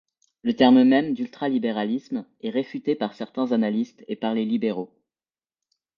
Le terme même d'ultralibéralisme est réfuté par certains analystes et par les libéraux.